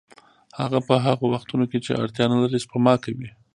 هغه په هغو وختونو کې چې اړتیا نلري سپما کوي